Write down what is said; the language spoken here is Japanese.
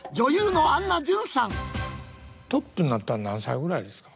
トップになったん何歳ぐらいですか？